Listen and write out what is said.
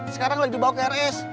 sekarang lagi dibawa ke rs